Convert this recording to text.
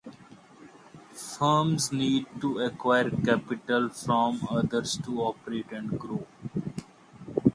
Firms need to acquire capital from others to operate and grow.